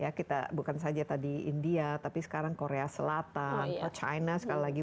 ya kita bukan saja tadi india tapi sekarang korea selatan china sekali lagi